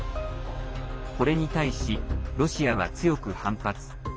これに対し、ロシアは強く反発。